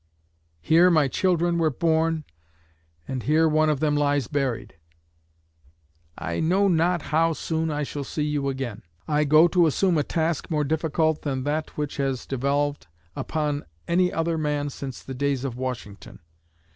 Here my children were born, and here one of them lies buried. I know not how soon I shall see you again. I go to assume a task more difficult than that which has devolved upon any other man since the days of Washington.